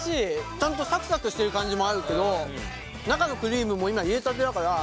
ちゃんとサクサクしてる感じもあるけど中のクリームも今入れたてだから。